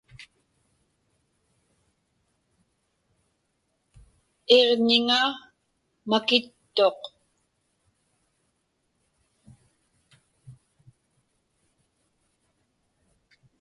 Iġñiŋa makittuq.